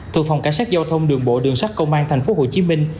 thuộc phòng cảnh sát giao thông đường bộ đường sát công an thành phố hồ chí minh